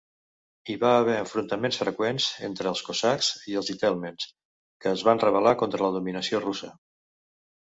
Hi va haver enfrontaments freqüents entre els Cossacks i els Itelmens, que es van rebel·lar contra la dominació russa.